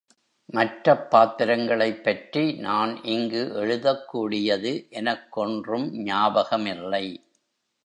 மற்றப் பாத்திரங்களைப்பற்றி நான் இங்கு எழுதக் கூடியது எனக்கொன்றும் ஞாபகமில்லை.